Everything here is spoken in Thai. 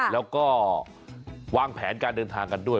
แล้วก็วางแผนการเดินทางกันด้วย